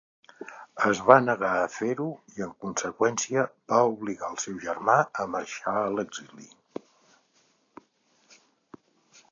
Es va negar a fer-ho i, en conseqüència va obligar el seu germà a marxar a l'exili.